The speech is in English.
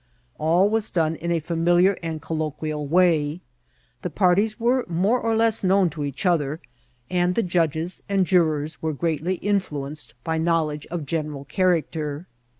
All was done in a familiar and colloquial way ; the parties were more or less known to each other, and judges and jurors were greatly in fluenced by knowledge of general character.